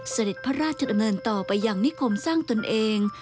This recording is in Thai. เสด็จพระราชดำเนินต่อไปยังนิคมสร้างตนเอง